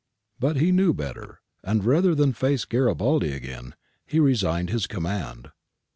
But he knew better, and rather than face Garibaldi again, re signed his command.